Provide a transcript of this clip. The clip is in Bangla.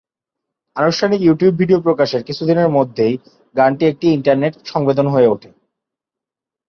আনুষ্ঠানিক ইউটিউব ভিডিও প্রকাশের কিছুদিনের মধ্যেই গানটি একটি ইন্টারনেট সংবেদন হয়ে ওঠে।